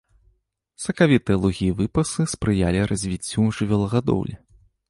Сакавітыя лугі і выпасы спрыялі развіццю жывёлагадоўлі.